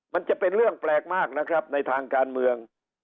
มันจะเป็นเรื่องแปลกมากนะครับในทางการเมือง